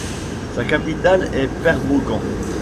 Sa capitale était Perbaungan.